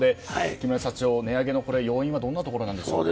木村社長、値上げの要因はどんなところなんでしょうか？